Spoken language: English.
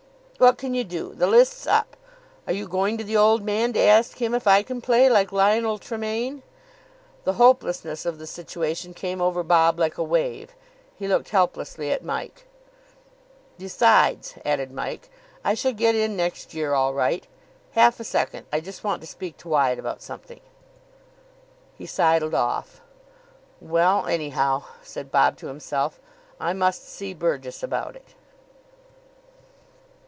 "What can you do? The list's up. Are you going to the Old Man to ask him if I can play, like Lionel Tremayne?" The hopelessness of the situation came over Bob like a wave. He looked helplessly at Mike. "Besides," added Mike, "I shall get in next year all right. Half a second, I just want to speak to Wyatt about something." He sidled off. "Well, anyhow," said Bob to himself, "I must see Burgess about it."